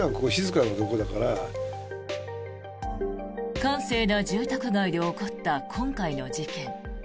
閑静な住宅街で起こった今回の事件。